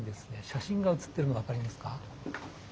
写真がうつってるのが分かりますか？